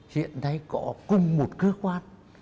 hiện nay có cùng một cơ quan